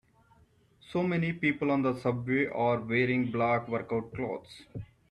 So many people on the subway are wearing black workout clothes.